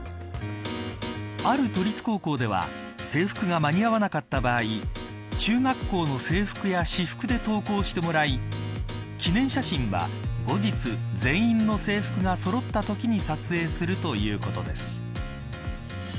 ある都立高校では制服が間に合わなかった場合中学校の制服や私服で登校してもらい記念写真は後日全員の制服がそろったときに撮影するということです。